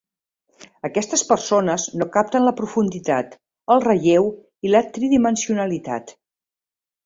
Aquestes persones no capten la profunditat, el relleu i la tridimensionalitat.